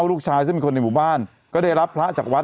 ลูกชายซึ่งมีคนในหมู่บ้านก็ได้รับพระจักรวรรษ